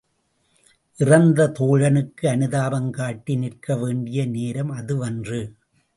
இறந்த தோழனுக்கு அனுதாபம் காட்டி நிற்கவேண்டிய நேரம் அதுவன்று.